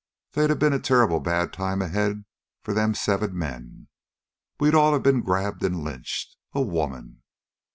They'd have been a terrible bad time ahead for them seven men. We'd all have been grabbed and lynched. A woman!"